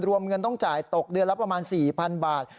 รวมเงินต้องจ่ายตกเดือนละประมาณ๔๐๐๐บาท